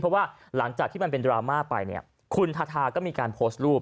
เพราะว่าหลังจากที่มันเป็นดราม่าไปเนี่ยคุณทาทาก็มีการโพสต์รูป